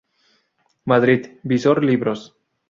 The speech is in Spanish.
Madrid: Visor Libros.